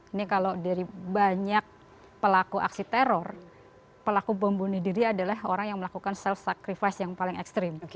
ini kalau dari banyak pelaku aksi teror pelaku bom bunuh diri adalah orang yang melakukan self sacrivice yang paling ekstrim